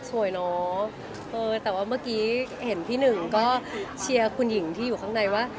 เนอะเออแต่ว่าเมื่อกี้เห็นพี่หนึ่งก็เชียร์คุณหญิงที่อยู่ข้างในว่า